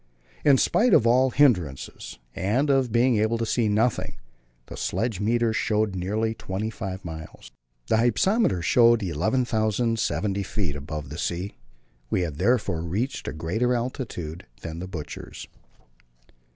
In spite of all hindrances, and of being able to see nothing, the sledge meters showed nearly twenty five miles. The hypsometer showed 11,070 feet above the sea; we had therefore reached a greater altitude than the Butcher's.